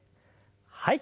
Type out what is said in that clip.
はい。